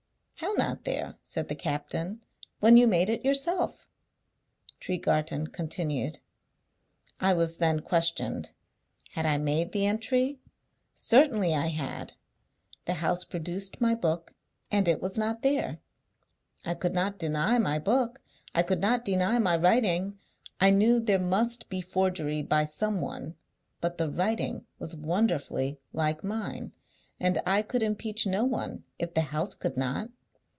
"How not there," said the captain, "when you made it yourself?" Tregarthen continued: "I was then questioned. Had I made the entry? Certainly I had. The house produced my book, and it was not there. I could not deny my book; I could not deny my writing. I knew there must be forgery by some one; but the writing was wonderfully like mine, and I could impeach no one if the house could not.